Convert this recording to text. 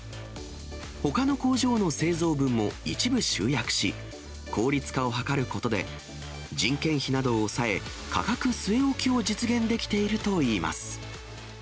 ほかの工場の製造分も一部集約し、効率化を図ることで、人件費などを抑え、価格据え置きを実現できているといいます。